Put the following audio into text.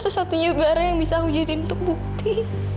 satu satunya barang yang bisa aku jadi untuk bukti